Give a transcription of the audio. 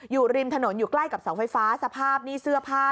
อยู่ริมถนนอยู่ใกล้กับเสาไฟฟ้าสภาพนี่เสื้อผ้า